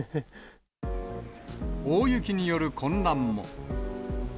大雪による混乱も。